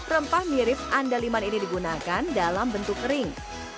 rempah mirip anda liman ini digunakan dalam bentuk kering